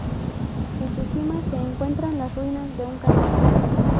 En su cima, se encuentra las ruinas de un castillo.